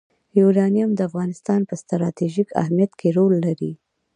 یورانیم د افغانستان په ستراتیژیک اهمیت کې رول لري.